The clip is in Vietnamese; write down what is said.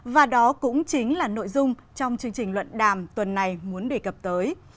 và đó cũng chính là nội dung trong chương trình luận đàm tuần này muốn đề cập tới